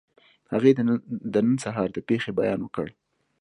هغې د نن سهار د پېښې بیان وکړ